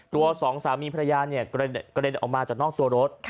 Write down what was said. สองสามีภรรยาเนี่ยกระเด็นออกมาจากนอกตัวรถ